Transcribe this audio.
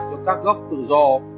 giữa các gốc tự do